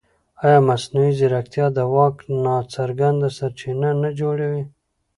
ایا مصنوعي ځیرکتیا د واک ناڅرګند سرچینه نه جوړوي؟